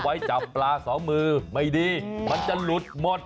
ไว้จับปลาสองมือไม่ดีมันจะหลุดหมด